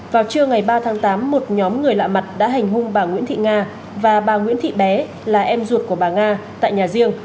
vào trưa ngày ba tháng tám một nhóm người lạ mặt đã hành hung bà nguyễn thị nga và bà nguyễn thị bé là em ruột của bà nga tại nhà riêng